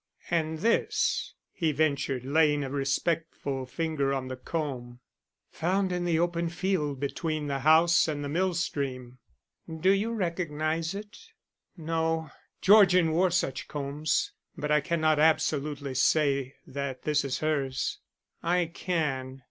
"And this?" he ventured, laying a respectful finger on the comb. "Found in the open field between the house and the mill stream." "Do you recognize it?" "No. Georgian wore such combs, but I cannot absolutely say that this is hers." "I can.